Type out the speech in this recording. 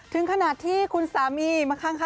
ถึงขนาดที่คุณสามีมาข้าง